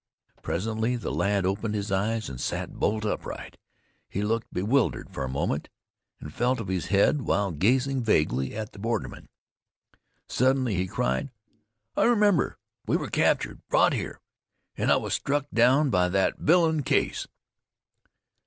Presently the lad opened his eyes and sat bolt upright. He looked bewildered for a moment, and felt of his head while gazing vaguely at the bordermen. Suddenly he cried: "I remember! We were captured, brought here, and I was struck down by that villain Case."